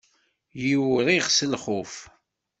Yiwriɣ s lxuf.